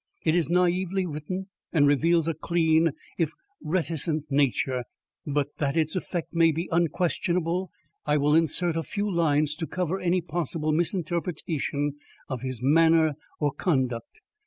It is naively written and reveals a clean, if reticent, nature; but that its effect may be unquestionable I will insert a few lines to cover any possible misinterpretation of his manner or conduct.